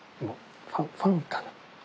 ファンかな。